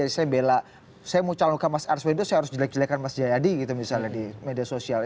jadi saya bela saya mau calonkan mas arswendo saya harus jelek jelekan mas jayadi gitu misalnya di media sosial